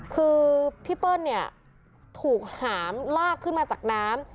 คือพี่เปิ้ลเนี่ยถูกหามลากขึ้นมาจากน้ำ